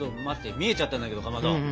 見えちゃったんだけどかまど。